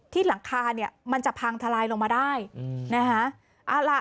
ที่หลังคาเนี่ยมันจะพังทะลายลงมาได้อืมนะฮะเอาละ